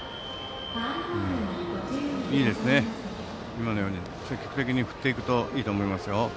今のように積極的に振っていくといいと思います。